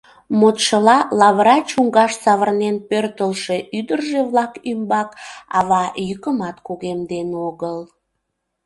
Модшыла, лавыра чуҥгаш савырнен пӧртылшӧ ӱдыржӧ-влак ӱмбак ава йӱкымат кугемден огыл.